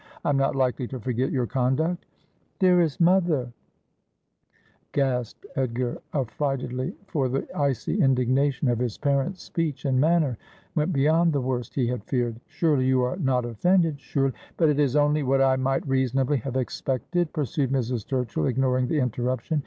I am not likely to forget your conduct.' ' Dearest mother, gasped Edgar affrightedly, for the icy in dignation of his parent's speech and manner went beyond the worst he had feartd, ' surely you are not offended — surely •'' But it is only what I might reasonably have expected,' pur sued Mrs. Turchill, ignoring the interruption.